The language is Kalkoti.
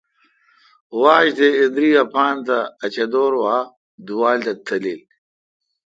واجتے° ایندری اپان تہ اچدور وا دووال تہ تلیل۔